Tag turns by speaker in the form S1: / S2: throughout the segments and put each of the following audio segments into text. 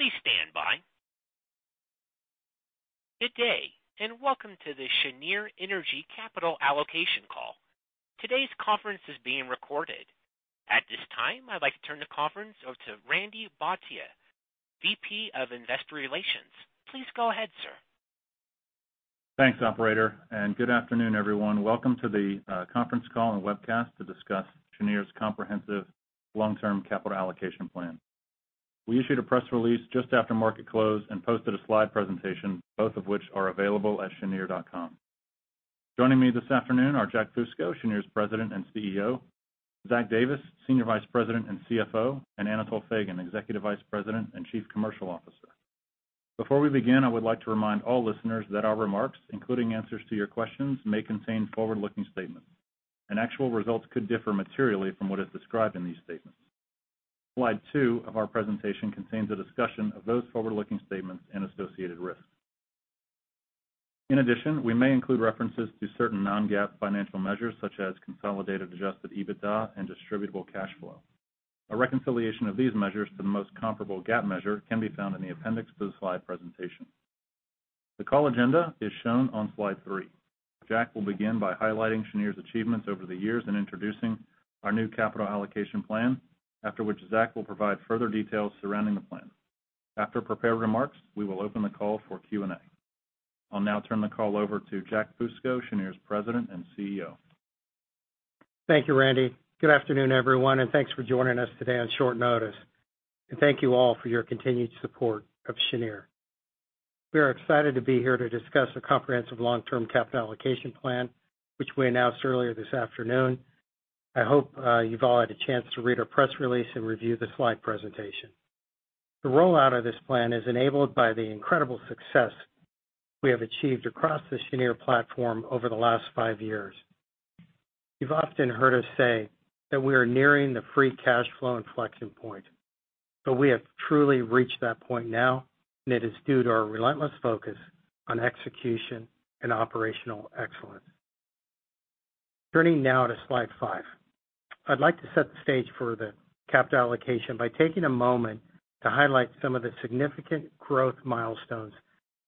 S1: Please stand by. Good day. Welcome to the Cheniere Energy Capital Allocation call. Today's conference is being recorded. At this time, I'd like to turn the conference over to Randy Bhatia, Vice President, Investor Relations. Please go ahead, sir.
S2: Thanks, operator. Good afternoon, everyone. Welcome to the conference call and webcast to discuss Cheniere's comprehensive long-term capital allocation plan. We issued a press release just after market close and posted a slide presentation, both of which are available at cheniere.com. Joining me this afternoon are Jack Fusco, Cheniere's President and CEO, Zach Davis, Senior Vice President and CFO, and Anatol Feygin, Executive Vice President and Chief Commercial Officer. Before we begin, I would like to remind all listeners that our remarks, including answers to your questions, may contain forward-looking statements, and actual results could differ materially from what is described in these statements. Slide two of our presentation contains a discussion of those forward-looking statements and associated risks. In addition, we may include references to certain non-GAAP financial measures, such as Consolidated Adjusted EBITDA and Distributable Cash Flow. A reconciliation of these measures to the most comparable GAAP measure can be found in the appendix to the slide presentation. The call agenda is shown on slide three. Jack will begin by highlighting Cheniere's achievements over the years and introducing our new capital allocation plan, after which Zach will provide further details surrounding the plan. After prepared remarks, we will open the call for Q&A. I'll now turn the call over to Jack Fusco, Cheniere's President and CEO.
S3: Thank you, Randy Bhatia. Good afternoon, everyone, and thanks for joining us today on short notice. Thank you all for your continued support of Cheniere. We are excited to be here to discuss the comprehensive long-term capital allocation plan, which we announced earlier this afternoon. I hope you've all had a chance to read our press release and review the slide presentation. The rollout of this plan is enabled by the incredible success we have achieved across the Cheniere platform over the last five years. You've often heard us say that we are nearing the free cash flow inflection point, but we have truly reached that point now, and it is due to our relentless focus on execution and operational excellence. Turning now to slide 5. I'd like to set the stage for the capital allocation by taking a moment to highlight some of the significant growth milestones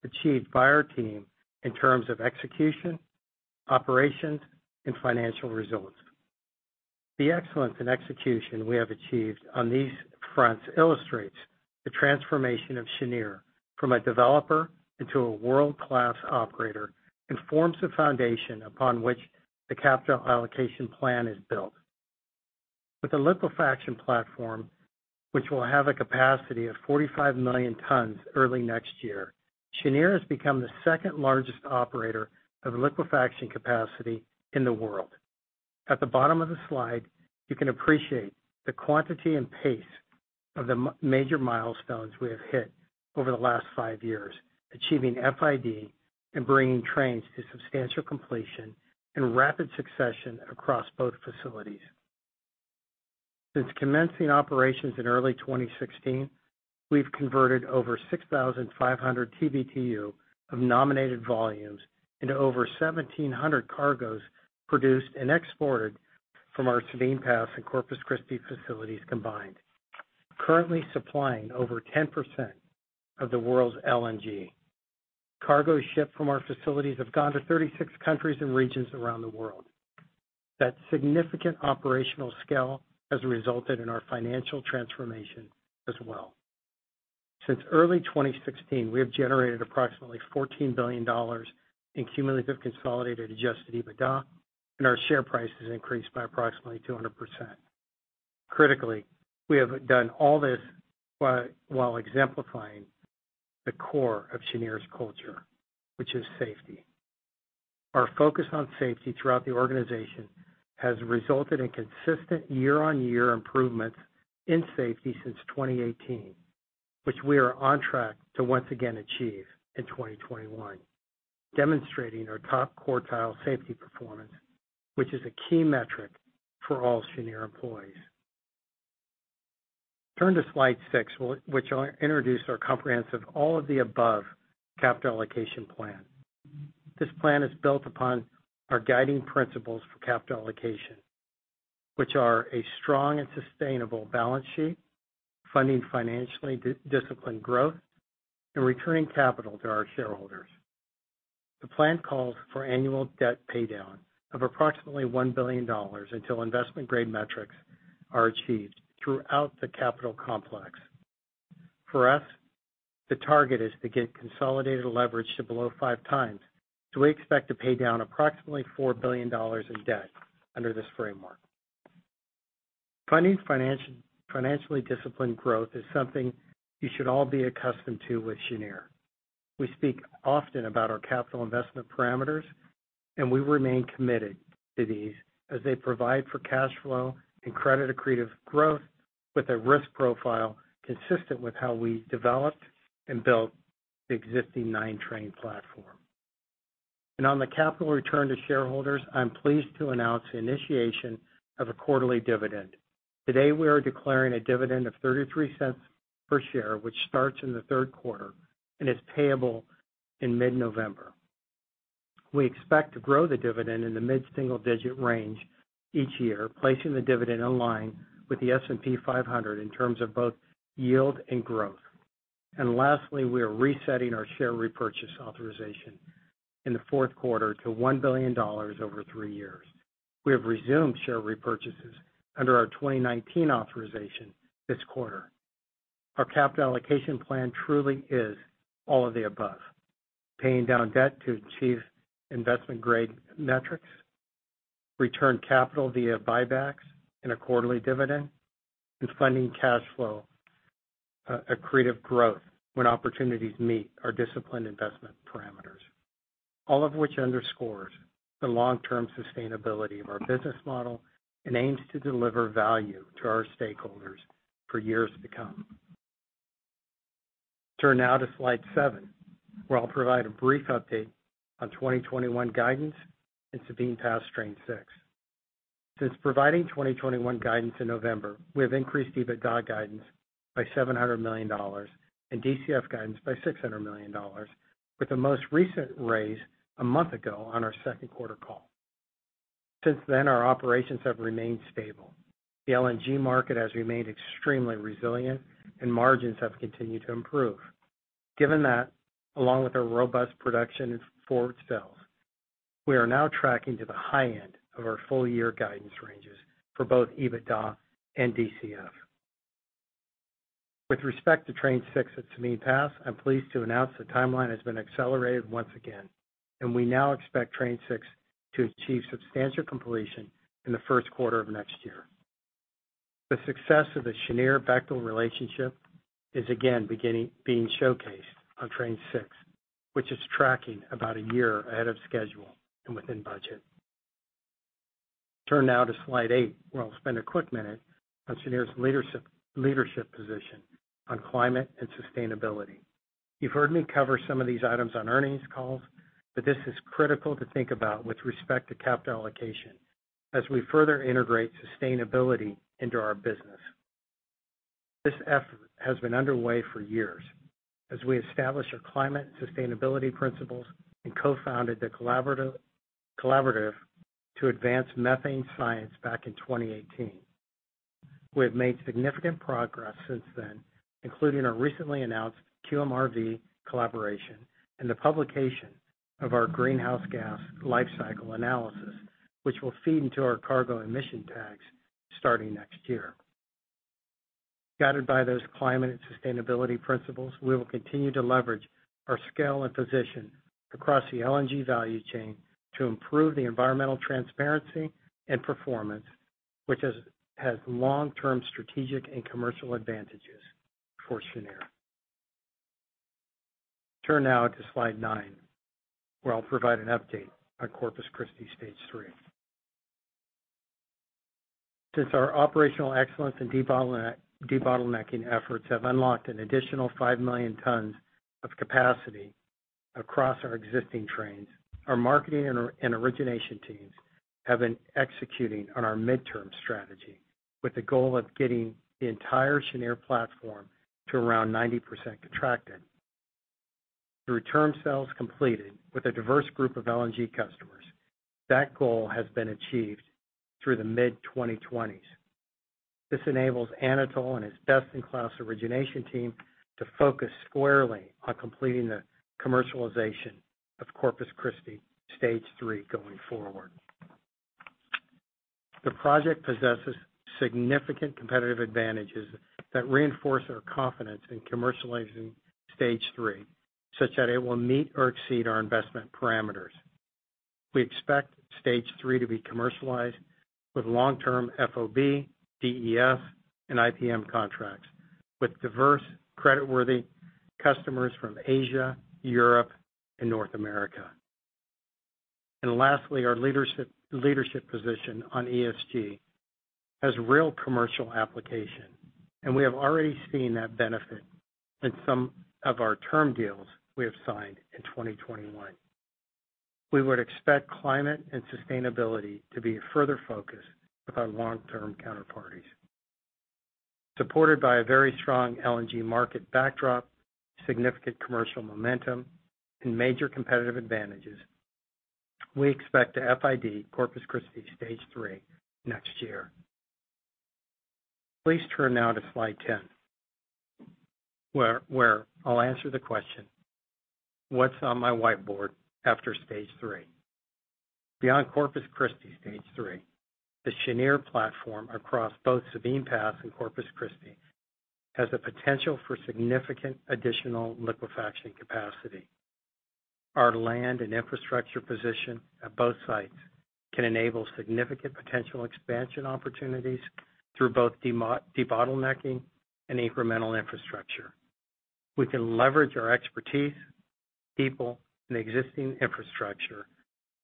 S3: achieved by our team in terms of execution, operations, and financial results. The excellence in execution we have achieved on these fronts illustrates the transformation of Cheniere from a developer into a world-class operator and forms the foundation upon which the capital allocation plan is built. With the liquefaction platform, which will have a capacity of 45 million tons early next year, Cheniere has become the second-largest operator of liquefaction capacity in the world. At the bottom of the slide, you can appreciate the quantity and pace of the major milestones we have hit over the last five years, achieving FID and bringing trains to substantial completion in rapid succession across both facilities. Since commencing operations in early 2016, we've converted over 6,500 TBtu of nominated volumes into over 1,700 cargos produced and exported from our Sabine Pass and Corpus Christi facilities combined, currently supplying over 10% of the world's LNG. Cargoes shipped from our facilities have gone to 36 countries and regions around the world. That significant operational scale has resulted in our financial transformation as well. Since early 2016, we have generated approximately $14 billion in cumulative Consolidated Adjusted EBITDA, and our share price has increased by approximately 200%. Critically, we have done all this while exemplifying the core of Cheniere's culture, which is safety. Our focus on safety throughout the organization has resulted in consistent year-on-year improvements in safety since 2018, which we are on track to once again achieve in 2021, demonstrating our top-quartile safety performance, which is a key metric for all Cheniere employees. Turn to slide six, which will introduce our comprehensive all-of-the-above capital allocation plan. This plan is built upon our guiding principles for capital allocation, which are a strong and sustainable balance sheet, funding financially disciplined growth, and returning capital to our shareholders. The plan calls for annual debt paydown of approximately $1 billion until investment-grade metrics are achieved throughout the capital complex. For us, the target is to get consolidated leverage to below 5x, we expect to pay down approximately $4 billion in debt under this framework. Funding financially disciplined growth is something you should all be accustomed to with Cheniere. We speak often about our capital investment parameters, and we remain committed to these as they provide for cash flow and credit accretive growth with a risk profile consistent with how we developed and built the existing nine-train platform. On the capital return to shareholders, I'm pleased to announce the initiation of a quarterly dividend. Today, we are declaring a dividend of $0.33 per share, which starts in the third quarter and is payable in mid-November. We expect to grow the dividend in the mid-single-digit range each year, placing the dividend in line with the S&P 500 in terms of both yield and growth. Lastly, we are resetting our share repurchase authorization in the fourth quarter to $1 billion over three years. We have resumed share repurchases under our 2019 authorization this quarter. Our capital allocation plan truly is all of the above, paying down debt to achieve investment-grade metrics, return capital via buybacks and a quarterly dividend, and funding cash flow, accretive growth when opportunities meet our disciplined investment parameters. All of which underscores the long-term sustainability of our business model and aims to deliver value to our stakeholders for years to come. Turn now to slide seven, where I'll provide a brief update on 2021 guidance and Sabine Pass Train 6. Since providing 2021 guidance in November, we have increased EBITDA guidance by $700 million and DCF guidance by $600 million, with the most recent raise a month ago on our second quarter call. Since then, our operations have remained stable. The LNG market has remained extremely resilient, and margins have continued to improve. Given that, along with our robust production forward sales, we are now tracking to the high end of our full year guidance ranges for both EBITDA and DCF. With respect to Train 6 at Sabine Pass, I'm pleased to announce the timeline has been accelerated once again, and we now expect Train 6 to achieve substantial completion in the first quarter of next year. The success of the Cheniere-Bechtel relationship is again being showcased on Train 6, which is tracking about a year ahead of schedule and within budget. Turn now to slide eight, where I'll spend a quick minute on Cheniere's leadership position on climate and sustainability. You've heard me cover some of these items on earnings calls, this is critical to think about with respect to capital allocation as we further integrate sustainability into our business. This effort has been underway for years as we established our climate sustainability principles and co-founded the Collaboratory to Advance Methane Science back in 2018. We have made significant progress since then, including our recently announced QMRV collaboration and the publication of our greenhouse gas life cycle analysis, which will feed into our cargo emission tags starting next year. Guided by those climate and sustainability principles, we will continue to leverage our scale and position across the LNG value chain to improve the environmental transparency and performance, which has long-term strategic and commercial advantages for Cheniere. Turn now to slide nine, where I'll provide an update on Corpus christi Stage 3. Our operational excellence and debottlenecking efforts have unlocked an additional 5 million tons of capacity across our existing trains, our marketing and origination teams have been executing on our midterm strategy with the goal of getting the entire Cheniere platform to around 90% contracted. Through term sales completed with a diverse group of LNG customers, that goal has been achieved through the mid-2020s. This enables Anatol and his best-in-class origination team to focus squarely on completing the commercialization of Corpus Stage 3 going forward. The project possesses significant competitive advantages that reinforce our confidence in Stage 3, such that it will meet or exceed our investment parameters. We Stage 3 to be commercialized with long-term FOB, DES, and IPM contracts with diverse, creditworthy customers from Asia, Europe, and North America. Lastly, our leadership position on ESG has real commercial application, and we have already seen that benefit in some of our term deals we have signed in 2021. We would expect climate and sustainability to be a further focus with our long-term counterparties. Supported by a very strong LNG market backdrop, significant commercial momentum, and major competitive advantages, we expect to FID Corpus Stage 3 next year. Please turn now to slide 10, where I'll answer the question: What's on my whiteboard Stage 3? beyond Corpus Stage 3, the Cheniere platform across both Sabine Pass and Corpus Christi has the potential for significant additional liquefaction capacity. Our land and infrastructure position at both sites can enable significant potential expansion opportunities through both debottlenecking and incremental infrastructure. We can leverage our expertise, people, and existing infrastructure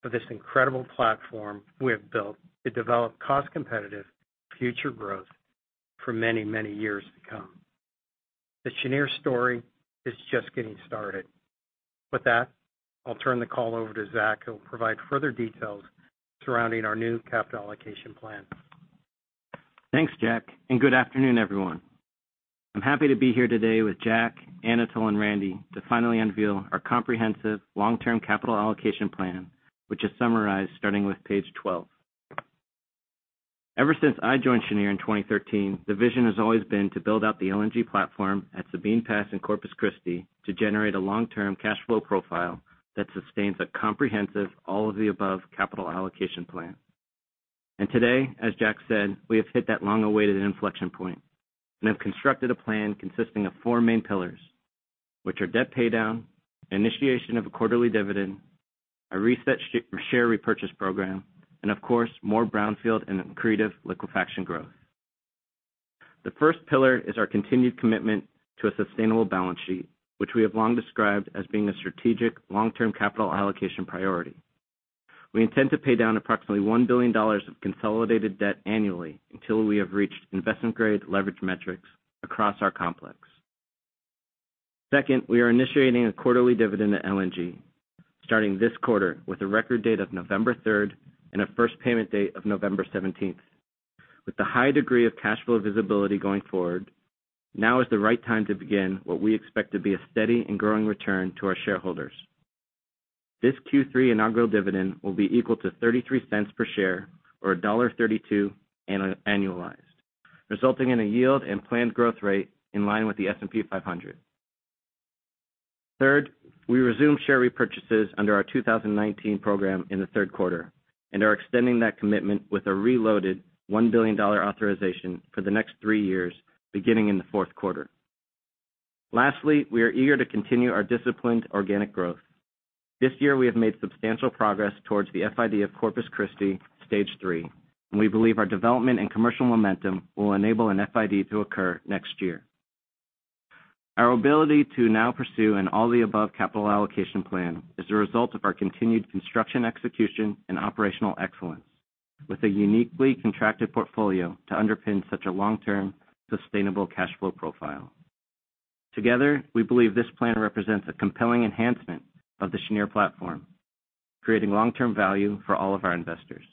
S3: of this incredible platform we have built to develop cost-competitive future growth for many, many years to come. The Cheniere story is just getting started. With that, I'll turn the call over to Zach, who'll provide further details surrounding our new capital allocation plan.
S4: Thanks, Jack, and good afternoon, everyone. I'm happy to be here today with Jack, Anatol, and Randy to finally unveil our comprehensive long-term capital allocation plan, which is summarized starting with page 12. Ever since I joined Cheniere in 2013, the vision has always been to build out the LNG platform at Sabine Pass and Corpus Christi to generate a long-term cash flow profile that sustains a comprehensive all-of-the-above capital allocation plan. Today, as Jack said, we have hit that long-awaited inflection point and have constructed a plan consisting of four main pillars, which are debt paydown, initiation of a quarterly dividend, a reset share repurchase program, and of course, more brownfield and accretive liquefaction growth. The first pillar is our continued commitment to a sustainable balance sheet, which we have long described as being a strategic long-term capital allocation priority. We intend to pay down approximately $1 billion of consolidated debt annually until we have reached investment-grade leverage metrics across our complex. Second, we are initiating a quarterly dividend at LNG, starting this quarter with a record date of November 3rd and a first payment date of November 17th. With the high degree of cash flow visibility going forward, now is the right time to begin what we expect to be a steady and growing return to our shareholders. This Q3 inaugural dividend will be equal to $0.33 per share or $1.32 annualized, resulting in a yield and planned growth rate in line with the S&P 500. Third, we resumed share repurchases under our 2019 program in the third quarter and are extending that commitment with a reloaded $1 billion authorization for the next three years, beginning in the fourth quarter. We are eager to continue our disciplined organic growth. This year, we have made substantial progress towards the FID of Corpus Stage 3, and we believe our development and commercial momentum will enable an FID to occur next year. Our ability to now pursue an all-of-the-above capital allocation plan is a result of our continued construction execution and operational excellence, with a uniquely contracted portfolio to underpin such a long-term sustainable cash flow profile. Together, we believe this plan represents a compelling enhancement of the Cheniere platform, creating long-term value for all of our investors.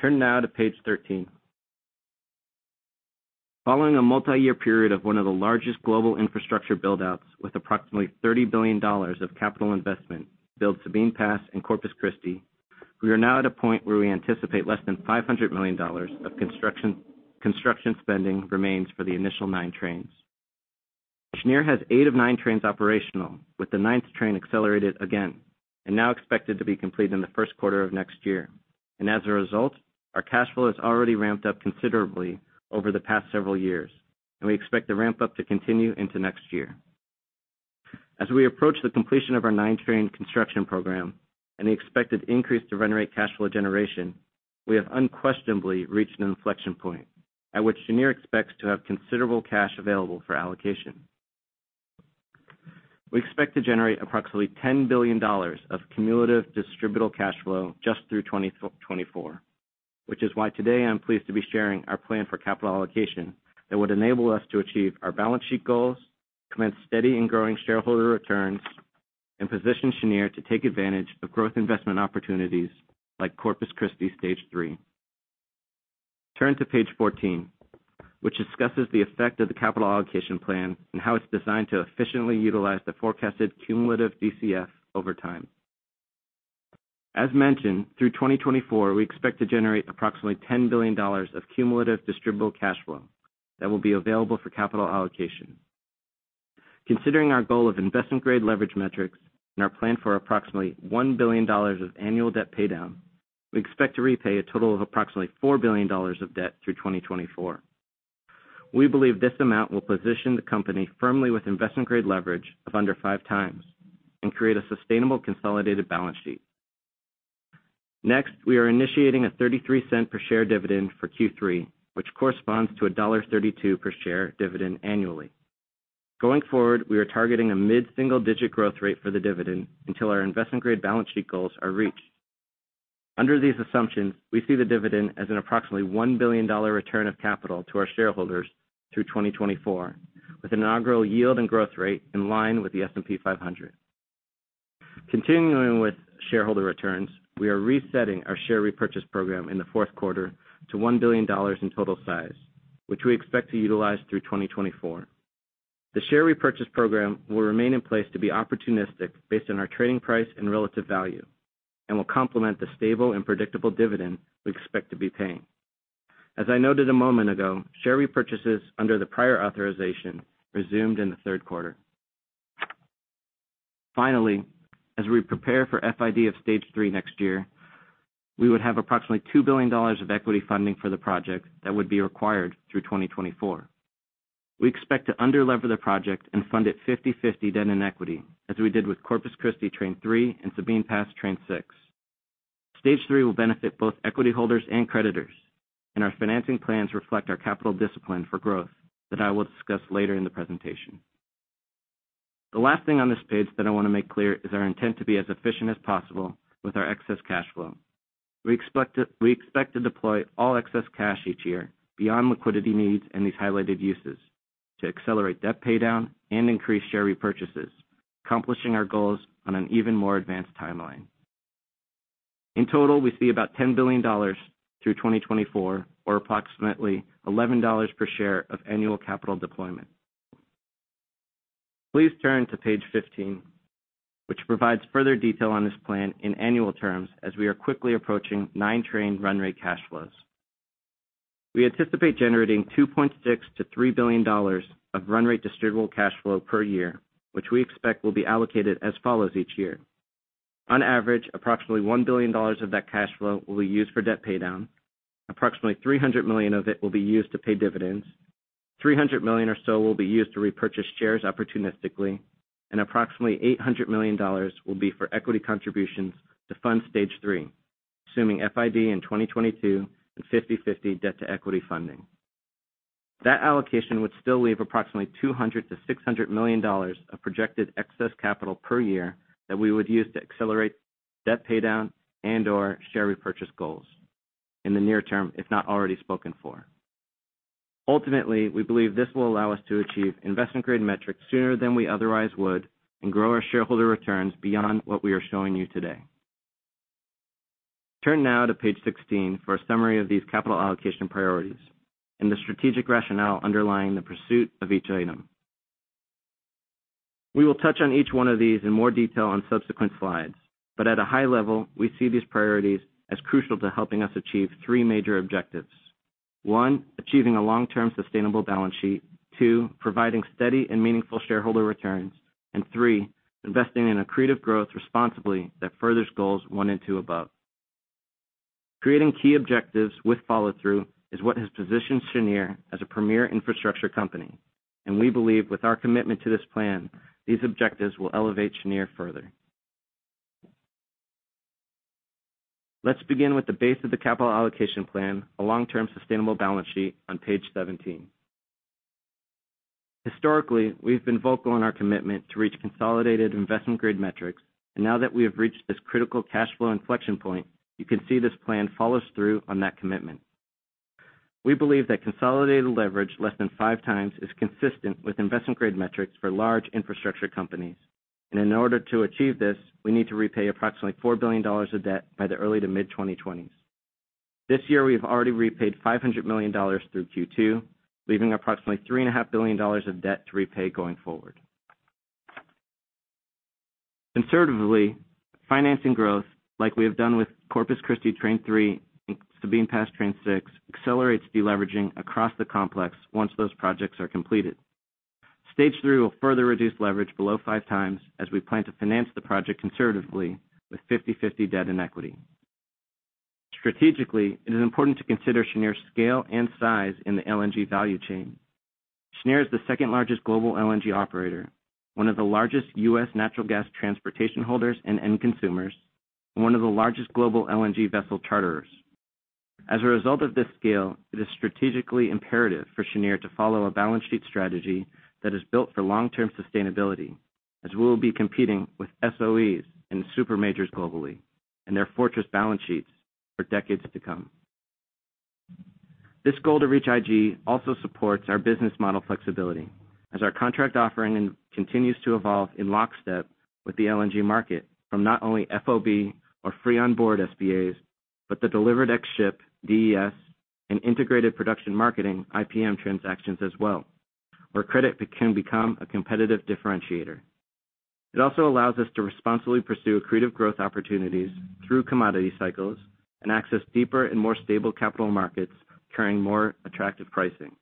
S4: Turn now to page 13. Following a multi-year period of one of the largest global infrastructure build-outs with approximately $30 billion of capital investment to build Sabine Pass and Corpus Christi, we are now at a point where we anticipate less than $500 million of construction spending remains for the initial nine trains. Cheniere has eight of nine trains operational, with the 9th train accelerated again and now expected to be completed in the 1st quarter of next year. As a result, our cash flow has already ramped up considerably over the past several years. We expect the ramp-up to continue into next year. As we approach the completion of our nine-train construction program and the expected increase to run-rate cash flow generation, we have unquestionably reached an inflection point at which Cheniere expects to have considerable cash available for allocation. We expect to generate approximately $10 billion of cumulative Distributable Cash Flow just through 2024, which is why today I'm pleased to be sharing our plan for capital allocation that would enable us to achieve our balance sheet goals, commence steady and growing shareholder returns, and position Cheniere to take advantage of growth investment opportunities like Corpus christi Stage 3. Turn to page 14, which discusses the effect of the capital allocation plan and how it's designed to efficiently utilize the forecasted cumulative DCF over time. As mentioned, through 2024, we expect to generate approximately $10 billion of cumulative Distributable Cash Flow that will be available for capital allocation. Considering our goal of investment-grade leverage metrics and our plan for approximately $1 billion of annual debt paydown, we expect to repay a total of approximately $4 billion of debt through 2024. We believe this amount will position the company firmly with investment-grade leverage of under five times and create a sustainable consolidated balance sheet. Next, we are initiating a $0.33 per share dividend for Q3, which corresponds to a $1.32 per share dividend annually. Going forward, we are targeting a mid-single-digit growth rate for the dividend until our investment-grade balance sheet goals are reached. Under these assumptions, we see the dividend as an approximately $1 billion return of capital to our shareholders through 2024, with an inaugural yield and growth rate in line with the S&P 500. Continuing with shareholder returns, we are resetting our share repurchase program in the fourth quarter to $1 billion in total size, which we expect to utilize through 2024. The share repurchase program will remain in place to be opportunistic based on our trading price and relative value and will complement the stable and predictable dividend we expect to be paying. As I noted a moment ago, share repurchases under the prior authorization resumed in the third quarter. Finally, as we prepare for FID Stage 3 next year, we would have approximately $2 billion of equity funding for the project that would be required through 2024. We expect to under-leverage the project and fund it 50/50 debt and equity, as we did with Corpus Christi Train 3 and Sabine Pass Train Stage 3 will benefit both equity holders and creditors, and our financing plans reflect our capital discipline for growth that I will discuss later in the presentation. The last thing on this page that I want to make clear is our intent to be as efficient as possible with our excess cash flow. We expect to deploy all excess cash each year beyond liquidity needs and these highlighted uses to accelerate debt paydown and increase share repurchases, accomplishing our goals on an even more advanced timeline. In total, we see about $10 billion through 2024, or approximately $11 per share of annual capital deployment. Please turn to page 15, which provides further detail on this plan in annual terms, as we are quickly approaching nine-train run rate cash flows. We anticipate generating $2.6 billion-$3 billion of run rate Distributable Cash Flow per year, which we expect will be allocated as follows each year. On average, approximately $1 billion of that cash flow will be used for debt paydown. Approximately $300 million of it will be used to pay dividends. $300 million or so will be used to repurchase shares opportunistically, and approximately $800 million will be for equity contributions to Stage 3, assuming FID in 2022 and 50/50 debt to equity funding. That allocation would still leave approximately $200 million-$600 million of projected excess capital per year that we would use to accelerate debt paydown and/or share repurchase goals in the near term, if not already spoken for. Ultimately, we believe this will allow us to achieve investment-grade metrics sooner than we otherwise would and grow our shareholder returns beyond what we are showing you today. Turn now to page 16 for a summary of these capital allocation priorities and the strategic rationale underlying the pursuit of each item. We will touch on each one of these in more detail on subsequent slides, but at a high level, we see these priorities as crucial to helping us achieve three major objectives. one, achieving a long-term sustainable balance sheet. two, providing steady and meaningful shareholder returns. three, investing in accretive growth responsibly that furthers goals one and two above. Creating key objectives with follow-through is what has positioned Cheniere as a premier infrastructure company, and we believe with our commitment to this plan, these objectives will elevate Cheniere further. Let's begin with the base of the capital allocation plan, a long-term sustainable balance sheet on page 17. Historically, we've been vocal in our commitment to reach consolidated investment-grade metrics, and now that we have reached this critical cash flow inflection point, you can see this plan follow through on that commitment. We believe that consolidated leverage less than 5x is consistent with investment-grade metrics for large infrastructure companies, and in order to achieve this, we need to repay approximately $4 billion of debt by the early to mid-2020s. This year, we have already repaid $500 million through Q2, leaving approximately $3.5 billion of debt to repay going forward. Conservatively, financing growth, like we have done with Corpus Christi Train 3 and Sabine Pass Train 6, accelerates deleveraging across the complex once those projects are completed. Stage 3 will further reduce leverage below 5x, as we plan to finance the project conservatively with 50/50 debt and equity. Strategically, it is important to consider Cheniere's scale and size in the LNG value chain. Cheniere is the second-largest global LNG operator, one of the largest U.S. natural gas transportation holders and end consumers, and one of the largest global LNG vessel charterers. As a result of this scale, it is strategically imperative for Cheniere to follow a balance sheet strategy that is built for long-term sustainability, as we will be competing with SOEs and the super majors globally and their fortress balance sheets for decades to come. This goal to reach IG also supports our business model flexibility as our contract offering continues to evolve in lockstep with the LNG market from not only FOB or free on board SPAs, but the delivered ex ship, DES, and integrated production marketing, IPM, transactions as well, where credit can become a competitive differentiator. It also allows us to responsibly pursue accretive growth opportunities through commodity cycles and access deeper and more stable capital markets carrying more attractive pricing,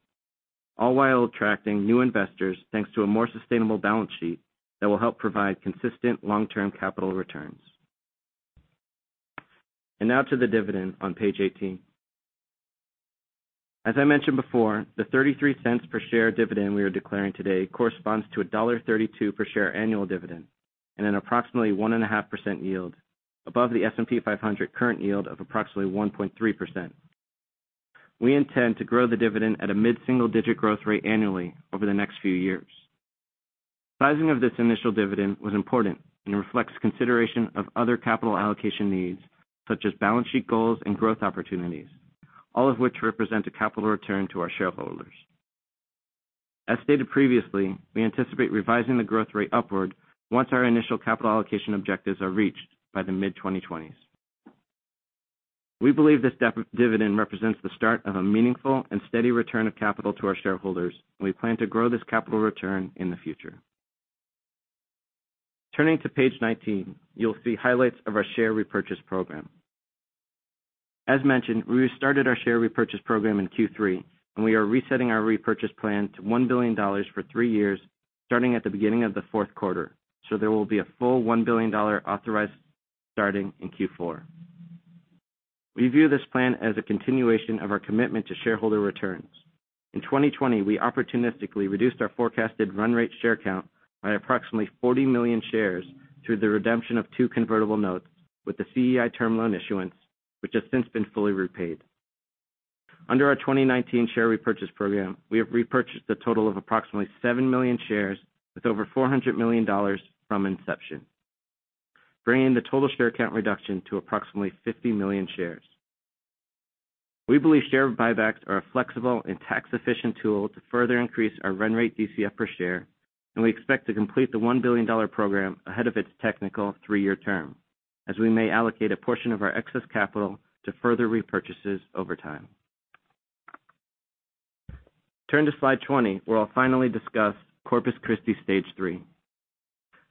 S4: all while attracting new investors, thanks to a more sustainable balance sheet that will help provide consistent long-term capital returns. Now to the dividend on page 18. As I mentioned before, the $0.33 per share dividend we are declaring today corresponds to a $1.32 per share annual dividend and an approximately 1.5% yield above the S&P 500 current yield of approximately 1.3%. We intend to grow the dividend at a mid-single-digit growth rate annually over the next few years. Sizing of this initial dividend was important and reflects consideration of other capital allocation needs, such as balance sheet goals and growth opportunities, all of which represent a capital return to our shareholders. As stated previously, we anticipate revising the growth rate upward once our initial capital allocation objectives are reached by the mid-2020s. We believe this dividend represents the start of a meaningful and steady return of capital to our shareholders, and we plan to grow this capital return in the future. Turning to page 19, you'll see highlights of our share repurchase program. As mentioned, we restarted our share repurchase program in Q3, and we are resetting our repurchase plan to $1 billion for three years, starting at the beginning of the fourth quarter, so there will be a full $1 billion authorized starting in Q4. We view this plan as a continuation of our commitment to shareholder returns. In 2020, we opportunistically reduced our forecasted run rate share count by approximately 40 million shares through the redemption of two convertible notes with the CEI term loan issuance, which has since been fully repaid. Under our 2019 share repurchase program, we have repurchased a total of approximately 7 million shares with over $400 million from inception, bringing the total share count reduction to approximately 50 million shares. We believe share buybacks are a flexible and tax-efficient tool to further increase our run-rate DCF per share, and we expect to complete the $1 billion program ahead of its technical three-year term, as we may allocate a portion of our excess capital to further repurchases over time. Turn to slide 20, where I'll finally discuss Corpus Stage 3.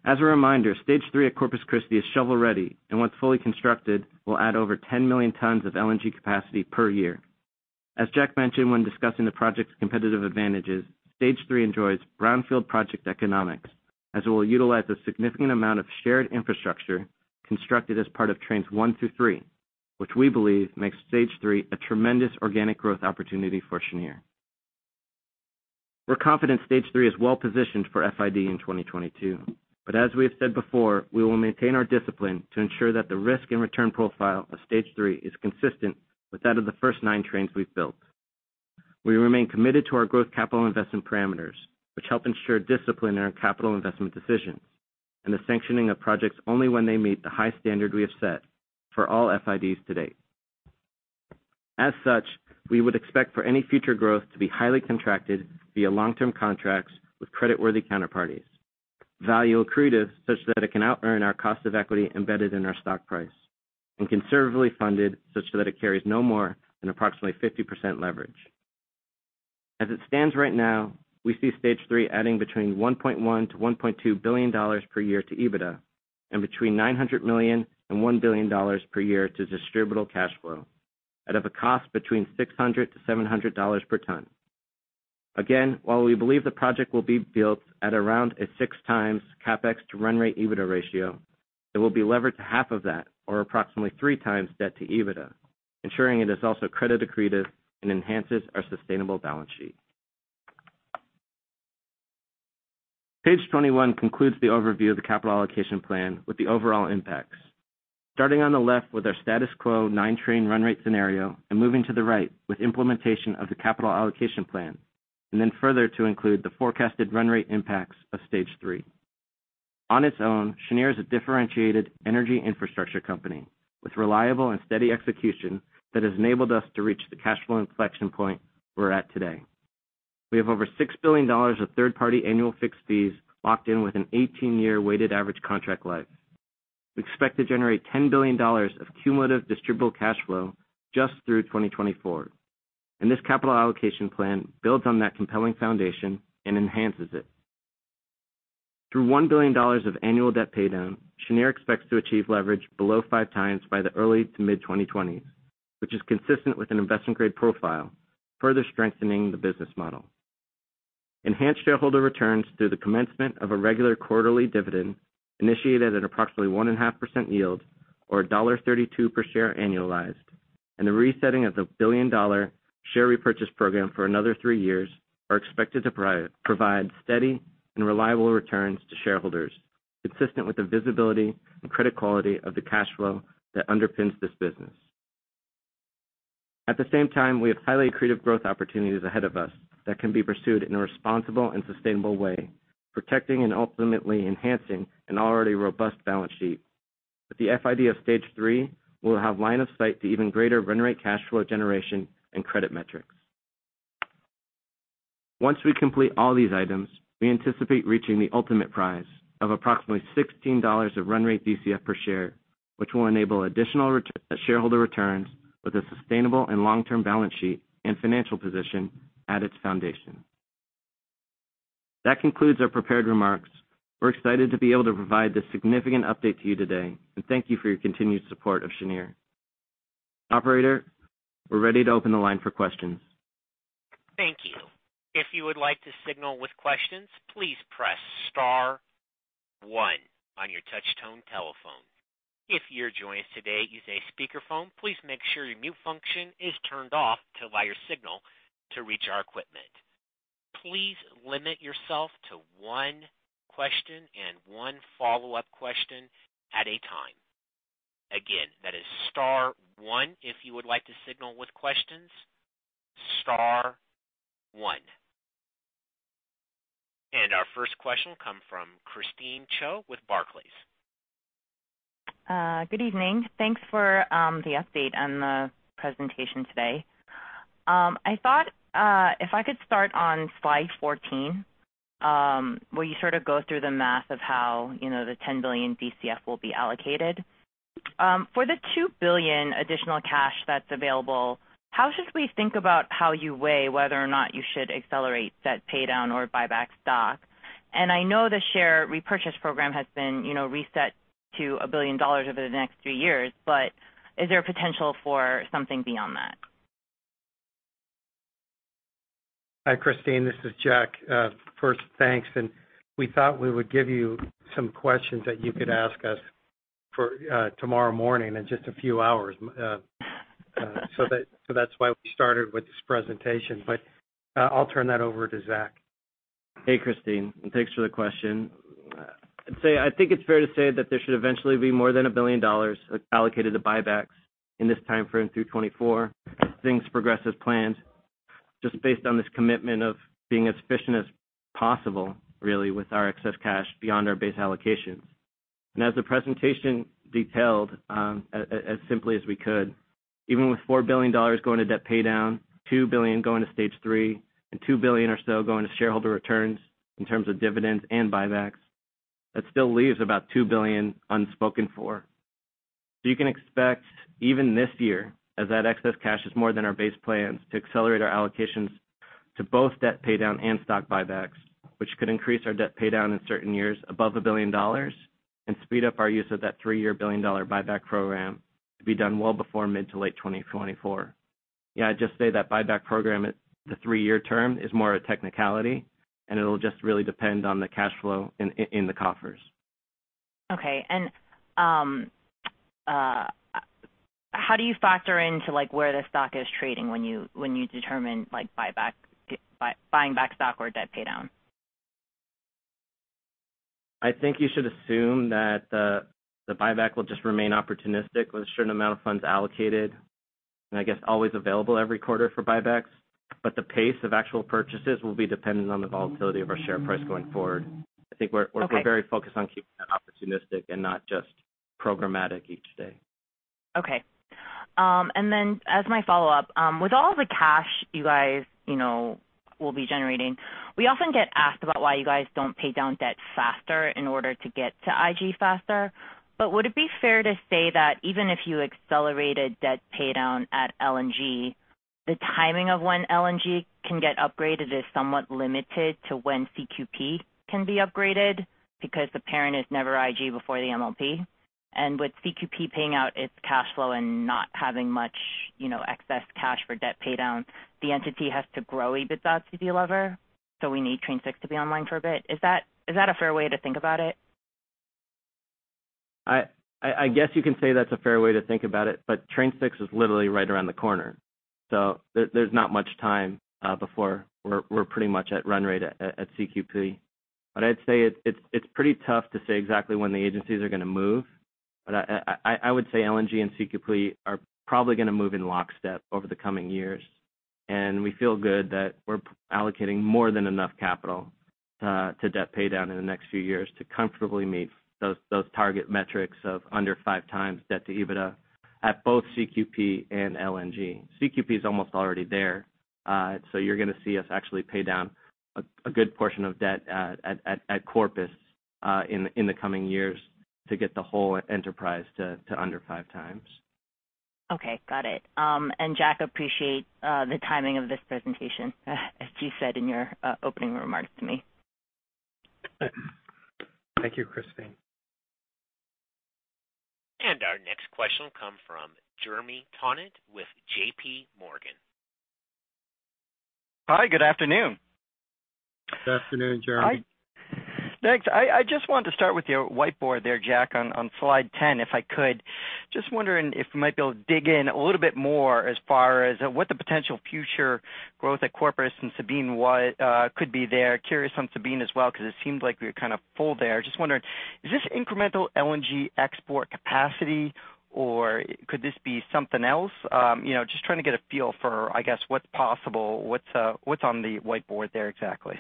S4: as a Stage 3 at Corpus Christi is shovel-ready and once fully constructed, will add over 10 million tons of LNG capacity per year. As Jack mentioned when discussing the project's competitive Stage 3 enjoys brownfield project economics, as it will utilize a significant amount of shared infrastructure constructed as part of Trains 1 through three, which we believe Stage 3 a tremendous organic growth opportunity for Cheniere. We're Stage 3 is well-positioned for FID in 2022. As we have said before, we will maintain our discipline to ensure that the risk and return profile Stage 3 is consistent with that of the first nine trains we've built. We remain committed to our growth capital investment parameters, which help ensure discipline in our capital investment decisions and the sanctioning of projects only when they meet the high standard we have set for all FIDs to date. As such, we would expect for any future growth to be highly contracted via long-term contracts with creditworthy counterparties. Value accretive such that it can outearn our cost of equity embedded in our stock price, and conservatively funded such that it carries no more than approximately 50% leverage. As it stands right now, we Stage 3 adding between $1.1 billion-$1.2 billion per year to EBITDA and between $900 million and $1 billion per year to Distributable Cash Flow at a cost between $600-$700 per ton. Again, while we believe the project will be built at around a 6x CapEx to run rate EBITDA ratio, it will be levered to half of that or approximately 3x debt to EBITDA, ensuring it is also credit accretive and enhances our sustainable balance sheet. Page 21 concludes the overview of the capital allocation plan with the overall impacts. Starting on the left with our status quo nine-train run rate scenario and moving to the right with implementation of the capital allocation plan, then further to include the forecasted run rate impacts Stage 3. on its own, Cheniere is a differentiated energy infrastructure company with reliable and steady execution that has enabled us to reach the cash flow inflection point we're at today. We have over $6 billion of third-party annual fixed fees locked in with an 18-year weighted average contract life. We expect to generate $10 billion of cumulative Distributable Cash Flow just through 2024. This capital allocation plan builds on that compelling foundation and enhances it. Through $1 billion of annual debt paydown, Cheniere expects to achieve leverage below 5x by the early to mid-2020s, which is consistent with an investment-grade profile, further strengthening the business model. Enhanced shareholder returns through the commencement of a regular quarterly dividend initiated at approximately 1.5% yield or $1.32 per share annualized, and the resetting of the billion-dollar share repurchase program for another three years are expected to provide steady and reliable returns to shareholders, consistent with the visibility and credit quality of the cash flow that underpins this business. At the same time, we have highly accretive growth opportunities ahead of us that can be pursued in a responsible and sustainable way, protecting and ultimately enhancing an already robust balance sheet. With the FID Stage 3, we will have line of sight to even greater run rate cash flow generation and credit metrics. Once we complete all these items, we anticipate reaching the ultimate prize of approximately $16 of run rate DCF per share, which will enable additional shareholder returns with a sustainable and long-term balance sheet and financial position at its foundation. That concludes our prepared remarks. We're excited to be able to provide this significant update to you today and thank you for your continued support of Cheniere. Operator, we're ready to open the line for questions.
S1: Thank you. If you would like to signal with questions, please press star 1 on your touch-tone telephone. If you're joining us today using a speakerphone, please make sure your mute function is turned off to allow your signal to reach our equipment. Please limit yourself to 1 question and 1 follow-up question at a time. Again, that is star 1 if you would like to signal with questions, star 1. Our first question come from Christine Cho with Barclays.
S5: Good evening. Thanks for the update and the presentation today. I thought if I could start on slide 14, where you sort of go through the math of how the $10 billion DCF will be allocated. For the $2 billion additional cash that's available, how should we think about how you weigh whether or not you should accelerate debt paydown or buyback stock? I know the share repurchase program has been reset to $1 billion over the next 3 years, but is there potential for something beyond that?
S3: Hi, Christine. This is Jack. First, thanks. We thought we would give you some questions that you could ask us for tomorrow morning in just a few hours. That's why we started with this presentation. I'll turn that over to Zach.
S4: Hey, Christine, and thanks for the question. I'd say I think it's fair to say that there should eventually be more than $1 billion allocated to buybacks in this timeframe through 2024 as things progress as planned. Just based on this commitment of being as efficient as possible, really, with our excess cash beyond our base allocations. As the presentation detailed, as simply as we could, even with $4 billion going to debt paydown, $2 billion going Stage 3, and $2 billion or so going to shareholder returns in terms of dividends and buybacks, that still leaves about $2 billion unspoken for. You can expect, even this year, as that excess cash is more than our base plans, to accelerate our allocations to both debt paydown and stock buybacks. Which could increase our debt paydown in certain years above $1 billion and speed up our use of that three-year billion-dollar buyback program to be done well before mid to late 2024. Yeah, I'd just say that buyback program at the three-year term is more a technicality, and it'll just really depend on the cash flow in the coffers.
S5: Okay. How do you factor into where the stock is trading when you determine buying back stock or debt paydown?
S4: I think you should assume that the buyback will just remain opportunistic with a certain amount of funds allocated, and I guess always available every quarter for buybacks. The pace of actual purchases will be dependent on the volatility of our share price going forward.
S5: Okay.
S4: I think we're very focused on keeping that opportunistic and not just programmatic each day.
S5: Okay. As my follow-up, with all the cash you guys will be generating, we often get asked about why you guys don't pay down debt faster in order to get to IG faster. Would it be fair to say that even if you accelerated debt paydown at LNG, the timing of when LNG can get upgraded is somewhat limited to when CQP can be upgraded? The parent is never IG before the MLP. With CQP paying out its cash flow and not having much excess cash for debt paydown, the entity has to grow EBITDA to be a lever. We need Train 6 to be online for a bit. Is that a fair way to think about it?
S4: I guess you can say that's a fair way to think about it. Train 6 is literally right around the corner. There's not much time before we're pretty much at run rate at CQP. I'd say it's pretty tough to say exactly when the agencies are going to move. I would say LNG and CQP are probably going to move in lockstep over the coming years, and we feel good that we're allocating more than enough capital to debt paydown in the next few years to comfortably meet those target metrics of under 5x debt to EBITDA at both CQP and LNG. CQP is almost already there. You're going to see us actually pay down a good portion of debt at Corpus in the coming years to get the whole enterprise to under 5 times.
S5: Okay, got it. Jack, appreciate the timing of this presentation, as you said in your opening remarks to me.
S3: Thank you, Christine.
S1: Our next question will come from Jeremy Tonet with J.P. Morgan.
S6: Hi, good afternoon.
S4: Good afternoon, Jeremy.
S6: Thanks. I just wanted to start with your whiteboard there, Jack, on slide 10, if I could. Just wondering if you might be able to dig in a little bit more as far as what the potential future growth at Corpus and Sabine could be there. Curious on Sabine as well, because it seems like we are kind of full there. Just wondering, is this incremental LNG export capacity, or could this be something else? Just trying to get a feel for, I guess, what's possible. What's on the whiteboard there exactly?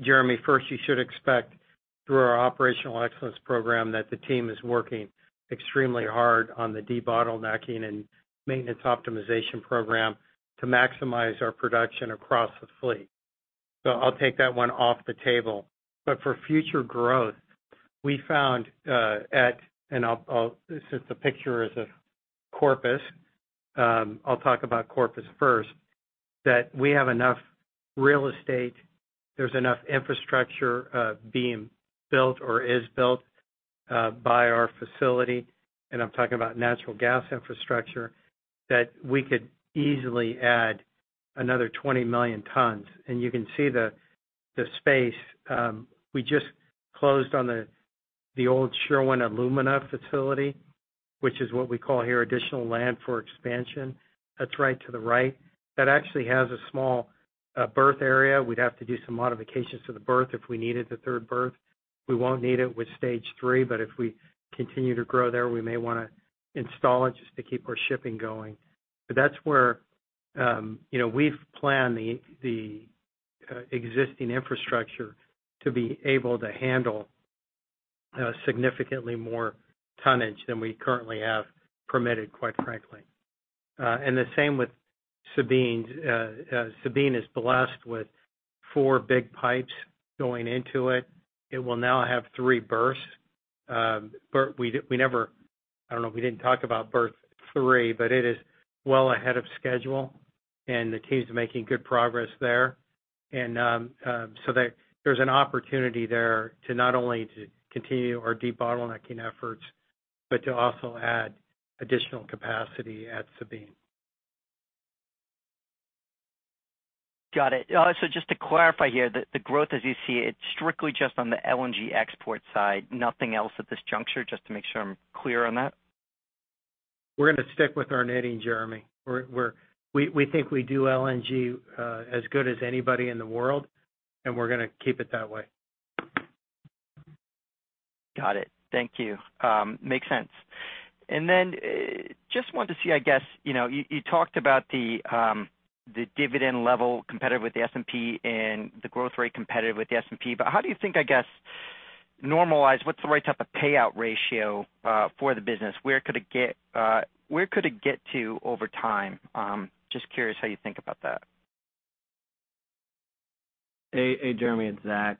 S3: Jeremy, first you should expect through our operational excellence program that the team is working extremely hard on the debottlenecking and maintenance optimization program to maximize our production across the fleet. I'll take that one off the table. For future growth, we found and since the picture is of Corpus, I'll talk about Corpus first, that we have enough real estate. There's enough infrastructure being built or is built by our facility, and I'm talking about natural gas infrastructure, that we could easily add another 20 million tons. You can see the space. We just closed on the old Sherwin Alumina facility, which is what we call here additional land for expansion. That's right to the right. That actually has a small berth area. We'd have to do some modifications to the berth if we needed the third berth. We won't need it Stage 3, if we continue to grow there, we may want to install it just to keep our shipping going. That's where we've planned the existing infrastructure to be able to handle significantly more tonnage than we currently have permitted, quite frankly. The same with Sabine. Sabine is blessed with four big pipes going into it. It will now have three berths. I don't know. We didn't talk about berth three, it is well ahead of schedule, the team's making good progress there. There's an opportunity there to not only to continue our debottlenecking efforts, to also add additional capacity at Sabine.
S6: Got it. Just to clarify here, the growth as you see it, strictly just on the LNG export side, nothing else at this juncture, just to make sure I am clear on that?
S3: We're going to stick with our knitting, Jeremy. We think we do LNG as good as anybody in the world, and we're going to keep it that way.
S6: Got it. Thank you. Makes sense. I just want to see, I guess, you talked about the dividend level competitive with the S&P and the growth rate competitive with the S&P, but how do you think, I guess, normalized, what's the right type of payout ratio for the business? Where could it get to over time? Just curious how you think about that.
S4: Hey, Jeremy, it's Zach.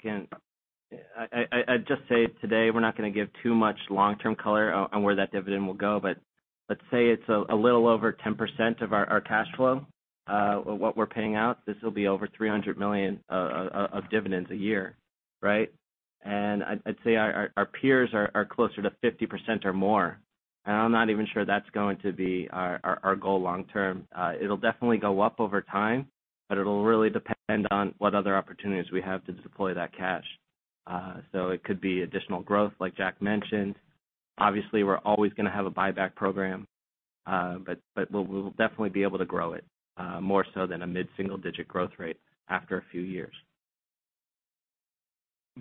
S4: I'd just say today we're not going to give too much long-term color on where that dividend will go, but let's say it's a little over 10% of our cash flow. What we're paying out, this will be over $300 million of dividends a year, right? I'd say our peers are closer to 50% or more, and I'm not even sure that's going to be our goal long term. It'll definitely go up over time, but it'll really depend on what other opportunities we have to deploy that cash. It could be additional growth like Jack mentioned. Obviously, we're always going to have a buyback program. We'll definitely be able to grow it, more so than a mid-single digit growth rate after a few years.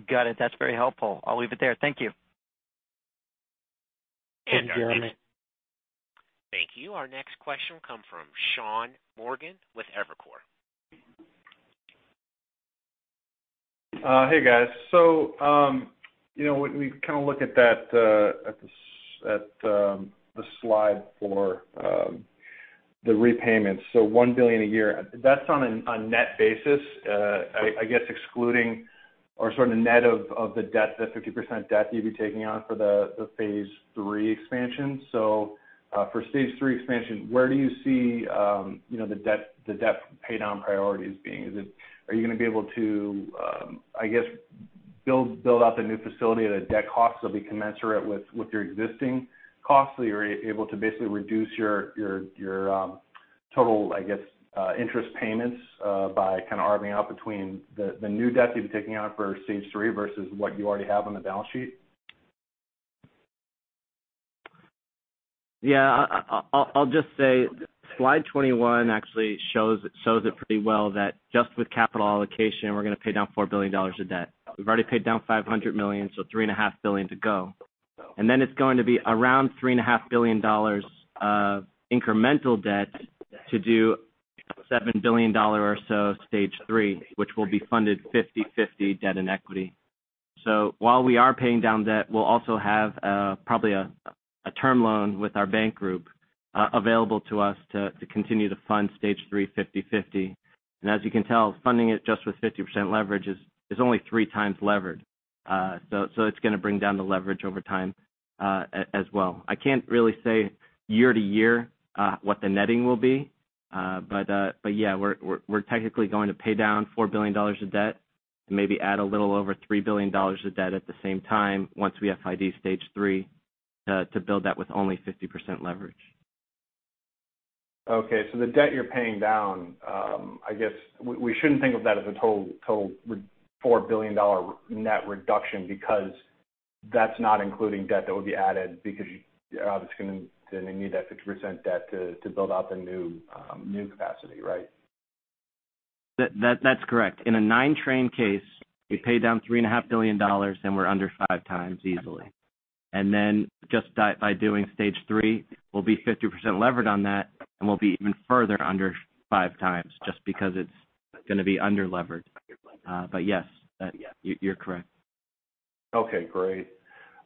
S6: Got it. That's very helpful. I'll leave it there. Thank you.
S3: Thank you, Jeremy.
S1: Thank you. Our next question come from Sean Morgan with Evercore.
S7: Hey, guys. When we look at the slide for the repayments. $1 billion a year, that's on a net basis, I guess excluding or sort of net of the debt, that 50% debt you'd be taking on for the phase III expansion. For phase III expansion, where do you see the debt pay down priorities being? Are you going to be able to, I guess, build up a new facility at a debt cost that'll be commensurate with your existing costs? You're able to basically reduce your total, I guess, interest payments by kind of arbing out between the new debt you'd be taking on Stage 3 versus what you already have on the balance sheet?
S4: I'll just say slide 21 actually shows it pretty well that just with capital allocation, we're going to pay down $4 billion of debt. We've already paid down $500 million, $3.5 billion to go. It's going to be around $3.5 billion of incremental debt to do $7 billion or Stage 3, which will be funded 50/50 debt and equity. While we are paying down debt, we'll also have probably a term loan with our bank group available to us to continue to Stage 3 50/50. As you can tell, funding it just with 50% leverage is only 3x levered. It's going to bring down the leverage over time as well. I can't really say year to year what the netting will be. Yeah, we're technically going to pay down $4 billion of debt and maybe add a little over $3 billion of debt at the same time once we Stage 3 to build that with only 50% leverage.
S7: Okay. The debt you're paying down, I guess we shouldn't think of that as a total $4 billion net reduction because that's not including debt that would be added because you're obviously going to need that 50% debt to build out the new capacity, right?
S4: That's correct. In a nine Train case, we pay down three and a half billion dollars, we're under 5x easily. Just by Stage 3, we'll be 50% levered on that, we'll be even further under 5x just because it's going to be under-levered. Yes, you're correct.
S7: Okay, great.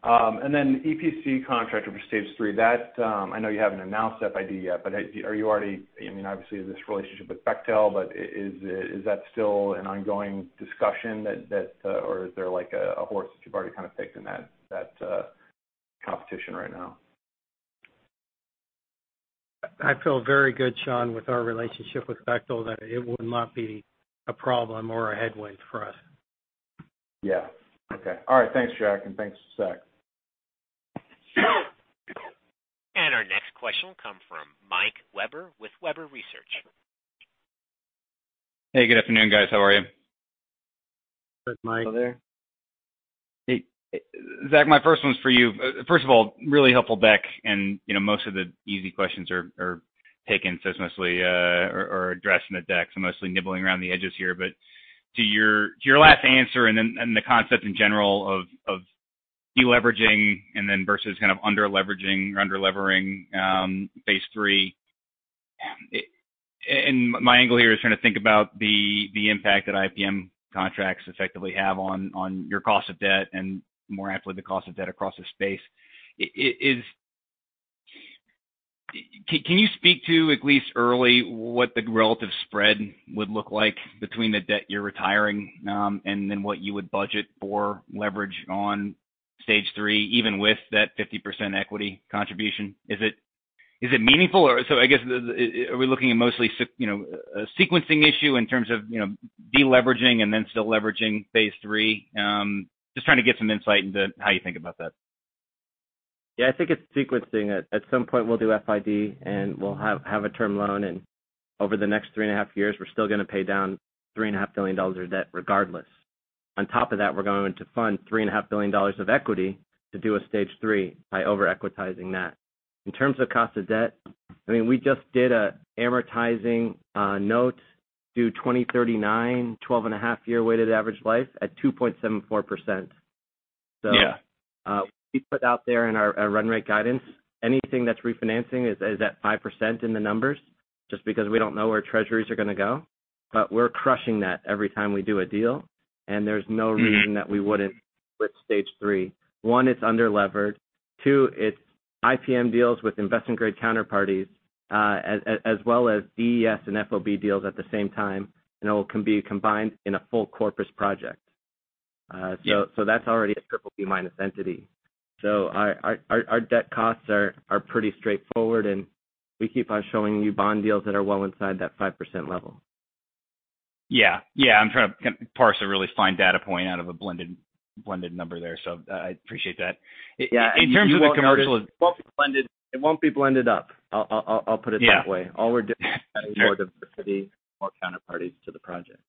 S7: EPC contractor Stage 3. i know you haven't announced that FID yet, but obviously there's this relationship with Bechtel, but is that still an ongoing discussion, or is there like a horse that you've already kind of picked in that competition right now?
S3: I feel very good, Sean, with our relationship with Bechtel, that it would not be a problem or a headwind for us.
S7: Yeah. Okay. All right. Thanks, Jack, and thanks, Zach.
S1: Our next question will come from Mike Webber with Webber Research & Advisory.
S8: Hey, good afternoon, guys. How are you?
S3: Good, Mike.
S4: Hello there.
S8: Hey, Zach, my first one's for you. First of all, really helpful deck, and most of the easy questions are taken, or addressed in the deck, so mostly nibbling around the edges here. To your last answer and the concept in general of de-leveraging and then versus kind of under-leveraging or under-levering phase III. My angle here is trying to think about the impact that IPM contracts effectively have on your cost of debt and more aptly the cost of debt across the space. Can you speak to at least early what the relative spread would look like between the debt you're retiring, and then what you would budget for leverage Stage 3, even with that 50% equity contribution? Is it meaningful or I guess are we looking at mostly a sequencing issue in terms of de-leveraging and then still leveraging phase III? Just trying to get some insight into how you think about that.
S4: Yeah, I think it's sequencing. At some point we'll do FID and we'll have a term loan and over the next 3.5 years, we're still going to pay down three and a half billion dollars of debt regardless. On top of that, we're going to fund three and a half billion dollars of equity to do Stage 3 by over equitizing that. In terms of cost of debt, we just did an amortizing note due 2039, 12.5-year weighted average life at 2.74%.
S8: Yeah.
S4: We put out there in our run rate guidance, anything that's refinancing is at 5% in the numbers, just because we don't know where treasuries are going to go. We're crushing that every time we do a deal, and there's no reason that we wouldn't Stage 3. one, it's under-levered. two, it's IPM deals with investment-grade counterparties, as well as DES and FOB deals at the same time, and it can be combined in a full Corpus project.
S2: Yeah.
S4: That's already a BBB- entity. Our debt costs are pretty straightforward, and we keep on showing you bond deals that are well inside that 5% level.
S8: Yeah. I'm trying to parse a really fine data point out of a blended number there, so I appreciate that.
S4: It won't be blended up. I'll put it that way.
S8: Yeah. Sure.
S4: All we're doing is adding more diversity, more counterparties to the project.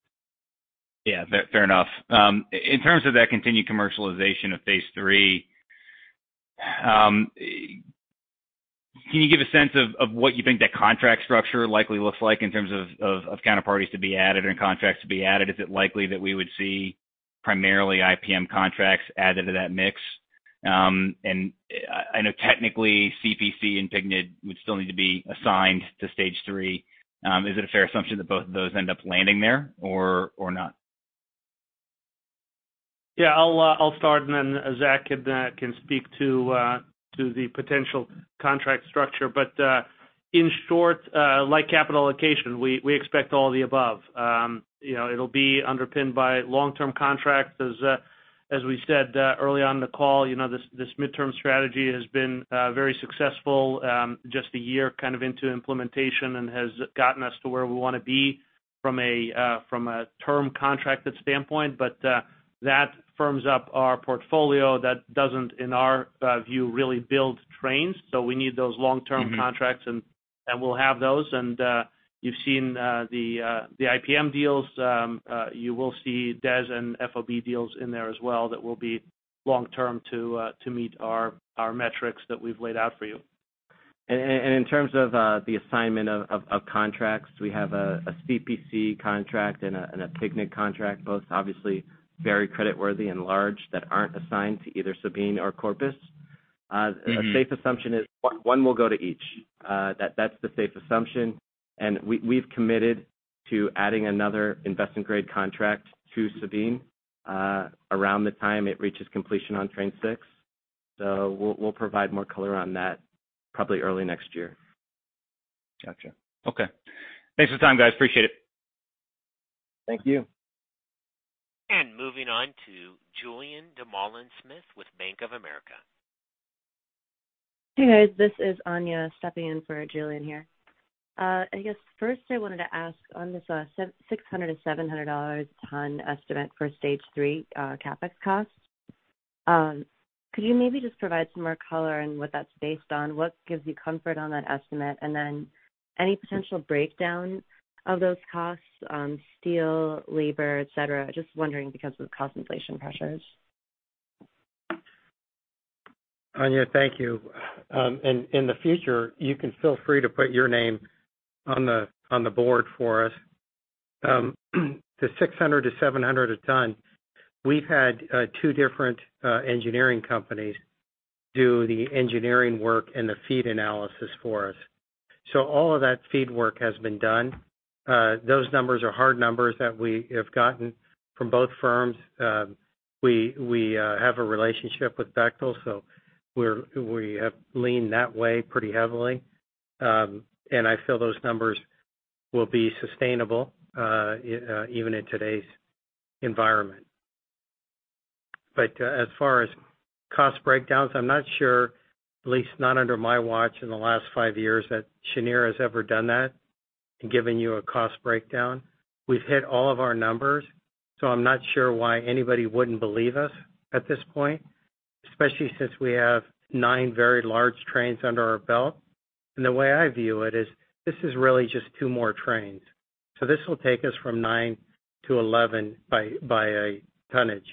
S4: Yeah. Fair enough. In terms of that continued commercialization of phase III, can you give a sense of what you think that contract structure likely looks like in terms of counterparties to be added and contracts to be added? Is it likely that we would see primarily IPM contracts added to that mix? I know technically CPC and PGNiG would still need to be assigned Stage 3. is it a fair assumption that both of those end up landing there or not?
S9: Yeah, I'll start and then Zach can speak to the potential contract structure. In short, like capital allocation, we expect all the above. It'll be underpinned by long-term contracts. As we said early on in the call, this midterm strategy has been very successful just a year kind of into implementation and has gotten us to where we want to be from a term contracted standpoint. That firms up our portfolio. That doesn't, in our view, really build trains. We need those long-term contracts.
S3: We'll have those. You've seen the IPM deals. You will see DES and FOB deals in there as well that will be long-term to meet our metrics that we've laid out for you.
S4: In terms of the assignment of contracts, we have a CPC contract and a PGNiG contract, both obviously very creditworthy and large, that aren't assigned to either Sabine or Corpus. A safe assumption is one will go to each. That's the safe assumption. We've committed to adding another investment-grade contract to Sabine around the time it reaches completion on Train 6. We'll provide more color on that probably early next year.
S8: Got you. Okay. Thanks for the time, guys. Appreciate it.
S3: Thank you.
S1: Moving on to Julien Dumoulin-Smith with Bank of America.
S10: Hey, guys. This is Anya stepping in for Julien here. I guess first I wanted to ask on this $600-$700 a ton estimate for Stage 3 CapEx costs. Could you maybe just provide some more color on what that's based on? What gives you comfort on that estimate? Then any potential breakdown of those costs, steel, labor, et cetera? Just wondering because of the cost inflation pressures.
S3: Anya, thank you. In the future, you can feel free to put your name on the board for us. The $600-$700 a ton, we've had two different engineering companies do the engineering work and the FEED analysis for us. All of that FEED work has been done. Those numbers are hard numbers that we have gotten from both firms. We have a relationship with Bechtel, we have leaned that way pretty heavily. I feel those numbers will be sustainable even in today's environment. As far as cost breakdowns, I'm not sure, at least not under my watch in the last five years, that Cheniere has ever done that and given you a cost breakdown. We've hit all of our numbers, so I'm not sure why anybody wouldn't believe us at this point, especially since we have nine very large trains under our belt. The way I view it is this is really just two more trains. This will take us from nine to 11 by a tonnage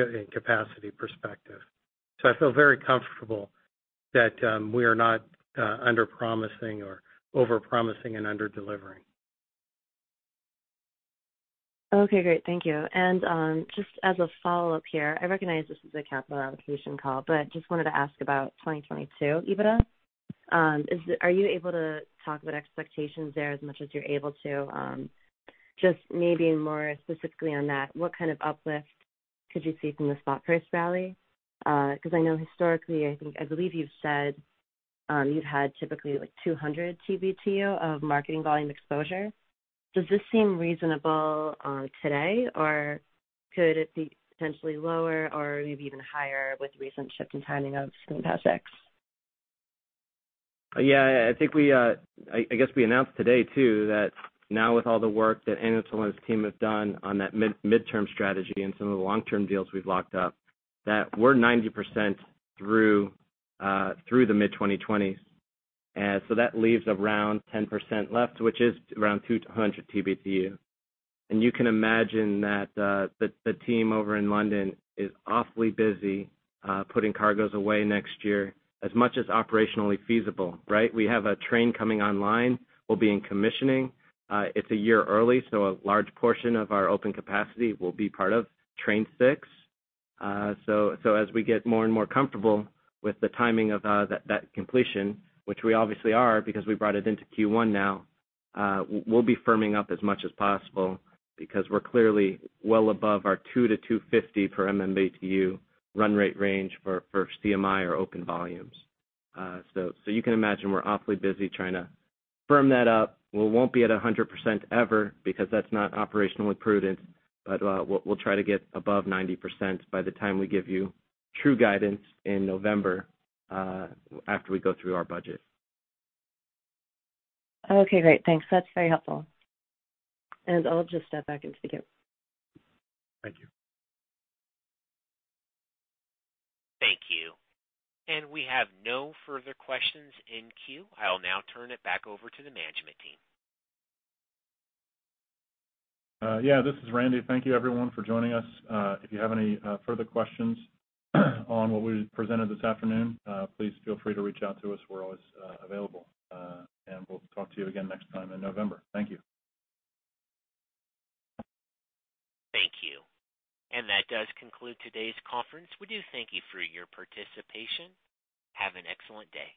S3: in capacity perspective. I feel very comfortable that we are not under-promising or over-promising and under-delivering.
S10: Okay, great. Thank you. Just as a follow-up here, I recognize this is a capital allocation call, but just wanted to ask about 2022 EBITDA. Are you able to talk about expectations there as much as you're able to? Just maybe more specifically on that, what kind of uplift could you see from the spot price rally? I know historically, I believe you've said you've had typically 200 TBtu of marketing volume exposure. Does this seem reasonable today, or could it be potentially lower or maybe even higher with the recent shift in timing of Sabine Pass Train6?
S4: Yeah. I guess we announced today too that now with all the work that Anatol Feygin's team has done on that midterm strategy and some of the long-term deals we've locked up, that we're 90% through the mid-2020s. That leaves around 10% left, which is around 200 TBtu. You can imagine that the team over in London is awfully busy putting cargoes away next year as much as operationally feasible, right? We have a train coming online, we'll be in commissioning. It's a year early, a large portion of our open capacity will be part of Train 6. As we get more and more comfortable with the timing of that completion, which we obviously are because we brought it into Q1 now, we'll be firming up as much as possible because we're clearly well above our $2-$2.50 per MMBtu run rate range for CMI or open volumes. You can imagine we're awfully busy trying to firm that up. We won't be at 100% ever because that's not operationally prudent, but we'll try to get above 90% by the time we give you true guidance in November after we go through our budget.
S10: Okay, great. Thanks. That's very helpful. I'll just step back into the queue.
S3: Thank you.
S1: Thank you. We have no further questions in queue. I'll now turn it back over to the management team.
S2: Yeah. This is Randy. Thank you, everyone, for joining us. If you have any further questions on what we presented this afternoon, please feel free to reach out to us. We're always available. We'll talk to you again next time in November. Thank you.
S1: Thank you. That does conclude today's conference. We do thank you for your participation. Have an excellent day.